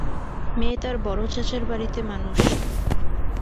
মেয়ে তার বড়চাচার বাড়িতে মানুষ।